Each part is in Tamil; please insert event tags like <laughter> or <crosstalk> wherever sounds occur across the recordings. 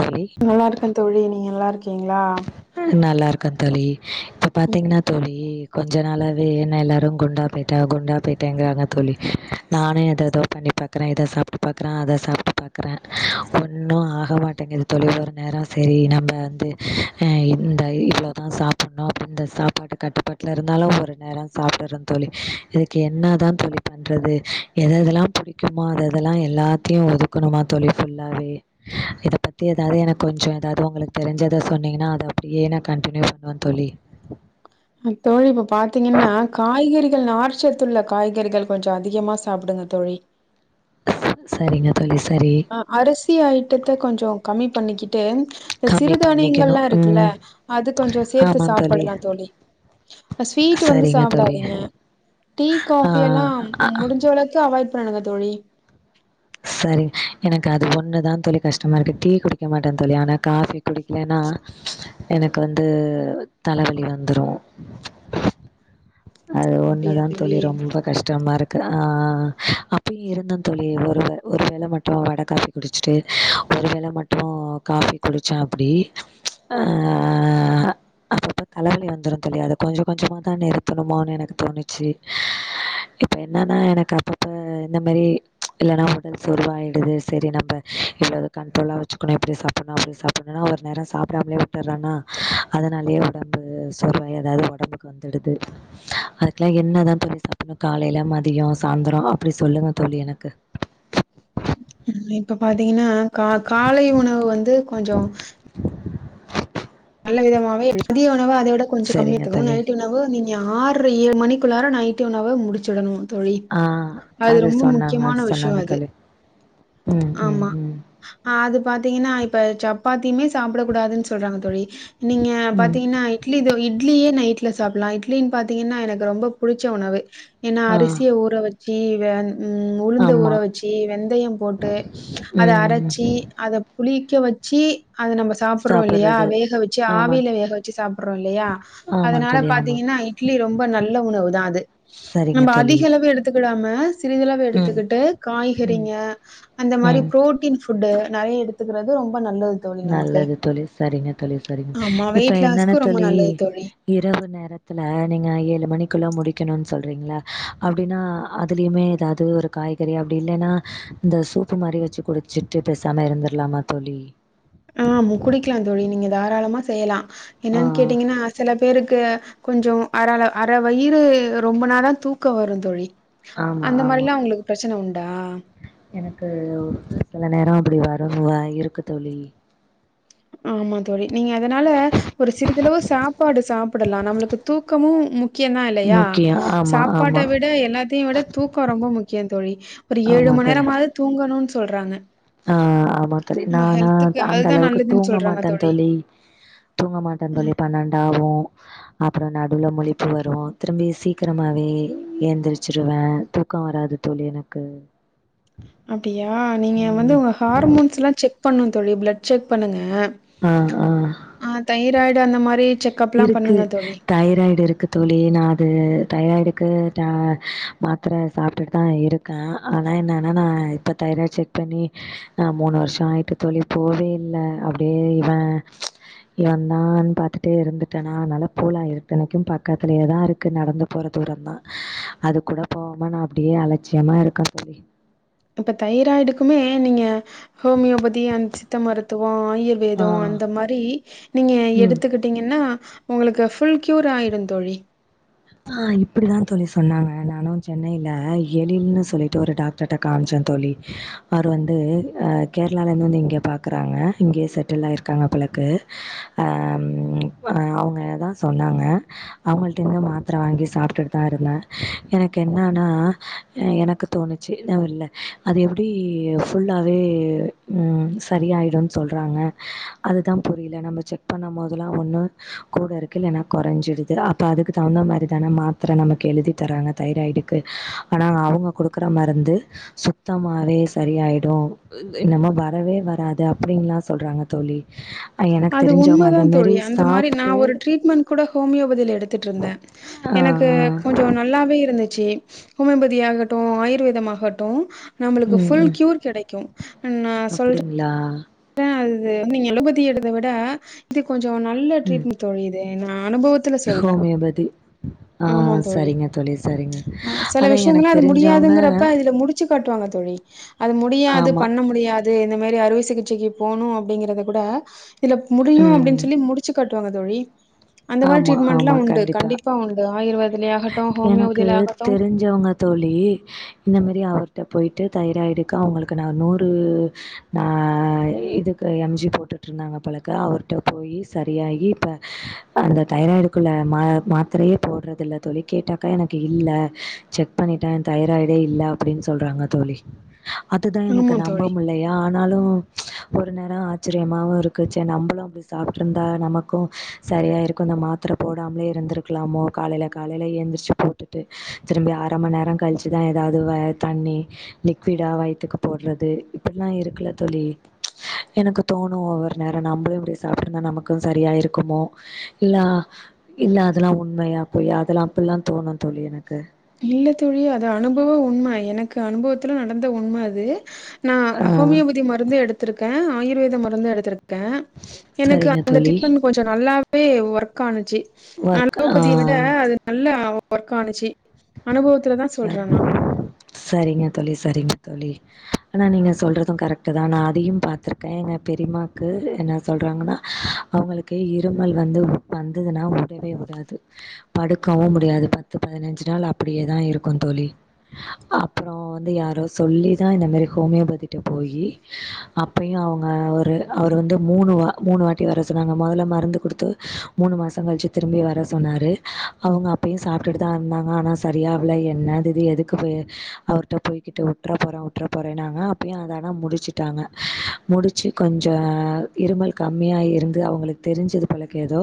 தோழி நல்லா இருக்க தோழி நீங்க நல்லா இருக்கீங்களா நல்லா இருக்க தோழி இப்ப பாத்தீங்கன்னா தோழி கொஞ்ச நாளாவே என்ன எல்லோரு குண்டா போயிட்ட குண்டா போயிட்டேங்கிறாங்க தோழி நானு எதோ எதோ பண்ணி பா க்கற இத சாப்ட்டு பாக்கற அத சாப்ட்டு பாக்கற ஒன்னு ஆக மாட்டேங்குது தோழி ஒரு நேரோ செரி நம்ம வந்து அ இந்த இவ்ளோதா சாப்படணு அப்டினு இந்த சாப்பாட்டு கட்டுப்பாட்டுல இருந்தாலு ஒரு நேரோ சாப்ட்டற தோழி இதுக்கு என்ன தா தோழி பண்றது எத எதெல்லா பிடிக்குமோ அதெல்லா எல்லாத்தையும் ஒது க்கனுமா தோழி ஃபுல்லாவே இத பத்தி எதாவது எனக் கொஞ்சோ ஏதாவது உங்களுக்கு தெரிஞ்சது இத சொன்னிங்கன்னா அத அப்படியே நா கன்டினியூ பண்ணுவ தோழி தோழி இப்ப பாத்தீங்கன்னா காய்கறிகள் நார் சத்துள்ள காய்கறிகள் கொஞ்சோ அதிகமா சாப்டுங்க தோழி சரிங்க தோழி சரி அ அரிசி ஐட்டத்த கொஞ்சோ கம்மி பண்ணிக்கிட்டு இந்த கம்மி சிறுதானியங்கலா பண்ணிக்கணும் இருக்குல்ல ம் அது கொஞ்சோ சேத்து சாப்படலா தோழி இப்ப ஸ்வீட் வந்து சரிங்க தோழி சாப்டாதீங்க டீ ஆ காஃபி எல்லா அ முடிஞ்ச அளவுக்கு அவாய்ட் பண்ணிடுங்க தோழி சரி எனக்கு அது ஒன்னு தா தோழி கஷ்டமா இருக்கு டீ குடிக்க மாட்ட தோழி ஆனா காஃபி குடிக்கலன்னா எனக்கு வந்து தலவலி வந்துரு அது ஒன்னுதா தோழி ரொம்ப கஷ்டமா இருக் கு ஆ அப்பயு இருந்த தோழி ஒரு வ ஒரு வேள மட்டு வட காஃபி குடிச்சுட்டு ஒருவேள மட்டு காஃபி குடிச்ச அப்புடி ஆ அப்பப்ப தலவலி வந்துரு தோழி அத கொஞ்ச கொஞ்சமாதா நிருத் தணுமோன் எனக்கு தோணுச்சு இப்ப என்னன்னா எனக்கு அப்பப்ப இந்த மாரி இல்லன்னா உடல் சோருவாயிடுது சரி நம்ம இல்ல அத கண்ட்ரோலா வச்சுக்கணு இப்டி சாப்பட்னு அப்டி சாப்பட்னு ஒரு நேரோ சாப்பிடாமலே விட்டுரேனா அதனாலயே உடம்பு சோறுவாயி எதாவது உடம்புக்கு வந்துடுது அதுக்கெல்லா என்னதா தோழி சாப்பட்ணு காலையில மதியோ சாந்தரோ அப்படி சொல்லுங்க தோழி எனக்கு இப்ப பாத்தீங்கன்னா கா காலை உணவு வந்து கொஞ்சோ நல்ல விதமாவே மதிய உணவு அத விட கொஞ்சோ கம்மி சரிங்க எடுத்துக்குன் தோழி நைட் உணவு நீங் க ஆர்ற ஏழு மணிக்குள்ளாற நைட்டு உணவ முடிச்சுடணு தோழி ஆ அது ரொம்ப சொன்னாங்க முக்கியமான அது விஷயோ சொன்னாங்க அது தோழி ம் ம் ஆமா ம் ஆ அது பாத்தீங்ன்னா இப்ப சப்பாத்தியுமே சாப்ட கூடாதுன் சொல்றாங்க தோழி நீங்க ம் பாத்தீங்ன்னா இட்லி தோ இட்லியே நைட்ல சாப்புல்லா இட்லின்னு பாத்தீங்கன்னா எனக்கு ரொம்ப புடிச்ச உணவு ஏனா ஆ அரிசிய ஊற வச்சி வெ ம் உளுந்த ஆமா ஊற வச்சி வெந்தயம் போ ட்டு அத அரச்சி ம் அத புளிக்க வச்சி அத நம்ம சாப்பறோ இல்லையா சாப்பிடுறது வேக வச்சி ஆமா ஆவியில தோழி. வேக வச்சி சாப்பறோ இல்லையா ஆமாங் அதனால தோழி ஆமா பாத்தீங்கன்னா இட்லி ரொம்ப நல்ல உணவு தா அது சரிங்க நம்ப தோழி அதிக அளவு எடு த்துக்கிடாம சிறிதளவு ம் எடுத்துக்கிட்டு ம் காய்கறிங்க அந்த மாரி ம் ப்ரோட்டீன் ஃபுட்டு நறைய எடுத்துக்கிறது ரொம்ப நல்லது தோழி நமக்கு. நல்லது தோழி சரிங்க தோழி சரிங்க ஆமா, இப்ப வெயிட் என்னனா லாஸ்க்கு ரொம்ப தோழி நல்லது தோழி. இரவு நேரத்துல நீங்க ஏழு மணிக்குள்ள முடிக்கணுன் சொல்றீங்ளா அப்டின்னா அதுலயுமே ஏதா து ஒரு காய்கறி அப்டி இல்லேனா இந்த சூப்பு மாரி வச்சு குடிச்சிட்டு பேசாம இருந்திர்லாமா தோழி ஆம் குடிக்கலா தோழி நீங்க தாராளமா செய்யலா ஆ என்னன் கேட்டீங்கன்னா செல பேருக்கு கொஞ்சோ அரர அர வயிறு ரொம்புனாத தூக்கோ வரு தோழி ஆமா அந்த ஆமா மாரிலா உங்ளுக்கு பிரச்சன உண்டா எனக்கு சில நேரோ அப்டி வரு வா இருக்கு தோழி ஆமா தோழி நீங்க அதனால ஒரு சிறிதளவு சாப்பாடு சாப்டலா நம்ளுக்கு தூக்கமு முக்கியோ தா இல்லையா முக்கியோ ஆமா ஆமா சாப்பாட்ட விட எல்லாத்தையு விட தூக்கோ ரொம்ப முக்கியோ தோழி ஒரு ஏழு ஆமா மண் நேரமாது தூங்கணூன் சொல்றாங்க அ ஆமா தோழி நம்ம நானா ஹெல்த்துக்கு அந்த அதுதான் அளவுக்கு நல்லதுன்னு தூங்க சொல்றாங்க மாட்ட தோழி தூங்க மாட்ட தோழி ம். பண்ணண்டாவோ அப்றோ நடுவுல முழிப்பு வரு திரும்பி சீக்கிரமாவே எந்திரிச்சிருவ தூ தூக்கோ வராது தோழி எனக்கு அப்டியா நீங்க வந்து ம் உங்க ஹார்மோன்ஸ்ல்லா செக் பண்ணுந் தோழி பிளட் செக் பண்ணுங்க ஆ ஆ அ தையிராய்டு அந்த மாரி செக்கப்லாம் இருக்கு பண்ணுங்க தோழி. தைராய்டு இருக்கு தோழி நா அது தைராய்டுக்கு டே மாத்திர சாப்ட்டுட்டு தா இருக் க ஆனா என்னனா நா இப்போ தைராய்டு செக் பண்ணி நா மூணு வர்ஷோ ஆயிட்டு தோழி போவே இல்ல அப்டியே இவ இவந்தான் பாத்து ட்டே இருந்துட்டனா அதனால போல இத்தனைக்கோ பக்கத்துலயே தா இருக்கு நடந்து போற தூரோ தா அது கூடோ போவாம நா அப்டியே அலட்சியமா இருக்க தோழி இப்ப தைராய்டுக்குமே நீங்க ஹோமியோபதி அந்த சித்த மருத்துவோ ஆயூர் ஆ. வேதோ அந்த மாரி நீங்க ம். எடுத்துக்கிட் டிங்கன்னா உங்களுக்கு ஃபுல் கியூர் ஆயிடு தோழி அ இப்டிதா தோழி சொன்னாங்க நானு சென்னையில எழில்ன்னு சொல்லிட்டு ஒரு டாக் டர்ட காம்ச்சந்தோழி அவர் வந்து அ கேர்ளாலந்து வந்து இங்க பாக்கறாங்க இங்கேயே செட்டில் ஆயிருக்காங்க போலக்கு அ அ அவுங்க தா சொன்னாங்க அவுங்கள்ட்ட இர்ந்து மா த்திர வாங்கி சாப்ட்டுட் தா இருந்த எனக்கு என்னனா எனக்கு தோணுச்சு இன்ன வெல்ல அது எப்டி ஃபுல்லாவே ம் சரி ஆயிடுன் சொல்றாங்க அதுதா புரியில நம்ம செக் பண்ணம் போதுலா ஒன்னு கூட இருக்கு இல்லேனா கொறஞ்சிடுது அப்போ அதுக்கு தகுந்த மாரி எத்தன மாத்ர நமக்கு எழுதி தராங்க தைராய்டுக்கு ஆனா அவுங்க குடுக்குற மருந்து சுத்தமாவே சரி ஆய்டோ இன்னம வரவே வராது அப்டின்ல்லா சொல்றாங்க தோழி அ எனக்கு அது உண்ம தெரிஞ்சவங்க தா அந்த மாரி தோழி அந்த மாரி நா சாப்ட்டு ஒரு ட்ரீட்மெண்ட் கூட ஹோமியோபதியில எடுத்துட்ருந்தே ஆ எனக்கு ஆ கொஞ்ச நல்லாவே இருந்துச்சு ஹோமியோபதி ஆகட்டும் ஆயுர்வேதம்மாகட்டு நம்புளுக்கு ஃபுல் க்யூர் கெடைக்கு நா சொல்றே அப்டிங்ளா அது நீங்க எலோபதி எடுத்த விட இது கொஞ்ச நல்ல ம் ட்ரீட்மெண் தோழி இது நா அனுபவத்துல ஸ் ஹோமியோபதி ஆ ஆமாம் தோழி சரிங்க சரிங்க. ஆ செல அதான் எனக்கு விஷயங்கள்லா அது தெரிஞ்சவங்க முடியாதுங்கிறப்ப இதுல முடிச் ச்சு காட்டுவாங்க தோழி அது முடியாது ஆமா. பண்ண முடியாது இந்த மாரி அறுவை சிகிச் சைக்கு போனு அப்டிங்குறத கூட இல முடி ம் அப்டினு சொல்லி முடிச்சு காட்டுவாங்க தோழி அந்த மாரி ஆமா ட்ரீட்மெண்ட்லா ஆமா உண்டு கண்டிப்பா உண்டு ஆயுர்வேதலியா ஆகட்டு எனக்கு ஹோமியோபதியில ஆகட்டு தெரிஞ்சவங்க தோழி இந்தமாரி அவர்ட்ட போய்ட்டு தைராய்டுக்கு அவங்ளுக்கு நா நூறு நா இதுக்கு எம் ஜி போட்டுட் இருந்தாங்க போலக்கு அவர்ட்ட போயி சரியாகி இப்ப அந்த தைராய்டுக்குள்ள மா மாத்திரையே போட்றது இல்ல தோழி கேட்டாக்கா எனக்கு இல்ல செக் பண்ணிட்டே தைராய்டே இல்ல அப்டின் சொல்றாங்க தோழி அதுதா எனக்கு ஆமா நம்ப தோழி. முட்லையா ஆனாலு ஒரு நேரோ ஆச்சிரியமாவு இருக்கு சே நம்பளு அப்டி சாப்ட்டு இருந்தா நமக்கு சரியாயி இருக்கு அந்த மாத்திர போடாமலே இருந்துருக்லாமோ காலைல காலைல எந்திரிச்சு போட்டு டு திரும்பி அர மண் நேரோ கழிச்சுதா ஏதாவ்து வே தண்ணி லிக்விடா வயத்துக்கு போட்றது இப்பில்லா இருக்குல்ல தோழி எனக்கு தோணு ஒவ்வொரு நேரோ நம்பளு இப்டி சாப்ட்டு இருந்தா நமக்கு சரியாயிருக்குமோ இல்லா இல்ல அதுல்லா உண்மையா பொய்யா அதெல்லா அப்டில்லா தோணு தோழி எனக்கு இல்ல தோழி அது அனுபவோ உண் எனக்கு அனுபவத்துல நடந்த உண்ம அது நா ஆ ஹோமியோபதி மருந்து எடுத்திருக்கே ஆயுர்வேத மருந்து எடுத்திருக்கே எனக்கு சரிங்க அந்த தோழி. ட்ரீட்மெண்ட் கொஞ்சோ நல்லாவே ஒர்க் ஆனுச்சு ஒர்க் ஆ அலோபதிய விட அது நல்ல ஒர்க ஆனுச்சு அனுபவத்துல தா சொல்றே நா சரிங்க தோழி சரிங்க தோழி ஆனா நீங்க சொல்றதும் கரெக்ட் தா நா அதையும் பாத்திருக்கே எங்க பெரியமாக்கு என்ன சொல்றாங்கன்னா அவங்களுக்கு இருமல் வந்து வந்ததுன்னா உடவே உடாது படுக்கவு முடியாது பத்து பதினஞ்சு நாள் அப்டியேதா இருக்கு தோழி அப்புறோ வந்து யாரோ சொல்லிதா இந்த மாரி ஹோமியோபதிட்ட போயி அப்பயும் அவுங்க ஒரு அவர் வந்து மூணு வா மூணு வாட்டி வர சொன்னாங்க மொதல்ல மருந்து கொடுத்து மூணு மாசோ கழிச்சு திரும்பி வர சொன்னாரு அவுங்க அப்பயு சாப்ட்டுட்டு தா இருந்தாங்க ஆனா சரியாவுல என்னது இது எதுக்கு போய் அவர்ட்ட போய்கிட்டு விட்ற போறே விட்ற போறேன்னாங்க அப்பயு அதெல்லா முடிச்சுட்டாங்க முடிச்சு கொஞ்சோ இருமல் கம்மியா இருந்து அவங்ளுக்கு தெரிஞ்சது போலருக்கு ஏதோ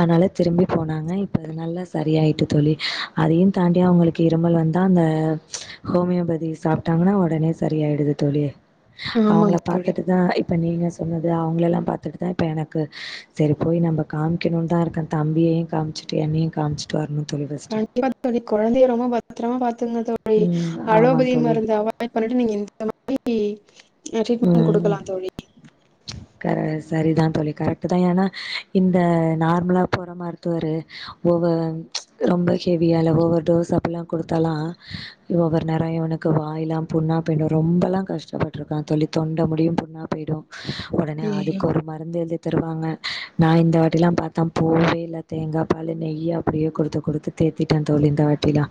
அனால்ல திரும்பி போனாங்க இப்ப அது நல்லா சரியாயிட்டு தோழி அதையும் தாண்டி அவங்களுக்கு இருமல் வந்தா அந்த ஹோமியோபதி சாப்ட்டாங்கன்னா உடனே சரியாயிடுது தோழி அவுங்கள ஆமாங் தோழி பாத்துட்டுதா இப் இப்ப நீங்க சொன்னது அவங்களெல்லா பாத்துட்டு தா இப்ப எனக்கு சரி போய் நம்ம காமிக்கணுன் தா இருக்க தம்பியையு காம் சுட்டு என்னையு காமிச்சுட்டு வரணு தோழி ஃபஸ்ட்டு <inaudible> தோழி கொழந்தைய ரொம்ப பத்ரமா பாத்துகங்க தோழி ம் ஆமா அலோபதி தோழி. மருந்த அவாய்ட் அவாய்ட் பண்ணிட்டு நீங்க இந்த மாரி ட்ரீட்மெண்ட் குடுக்கலா தோழி கரெ சரிதா தோழி கரெக்ட் தா ஏனா இந்த நார்மலா போற மருத்துவரு ஒவ ரொம்ப ஹெவியால ஓவர் டோஸ் அப்பிட்லா குடுத்தாலா ஒவ்வொரு நேரம் இவனுக்கு வாய்லா புண்ணா போய்டு ரொம்பலா கஷ்டப்பட்டுருக்கா தோழி தொண்ட முடியு புண்ணா போய்டோ உடனே அதுக்கு ஒரு மருந்து எழுதி தருவாங்க நா இந்த வாட்டிலா பாத்தா போவே இல்ல தேங்கா பாலு நெய்யு அப்டியே குடுத்து குடுத்து தேத்திட்டே தோழி இந்த வாட்டிலா